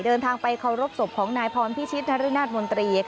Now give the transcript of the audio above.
เดินทางไปเคารพศพของนายพรพิชิตนรนาศมนตรี